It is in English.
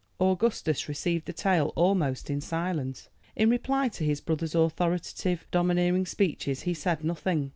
Augustus received the tale almost in silence. In reply to his brother's authoritative, domineering speeches he said nothing.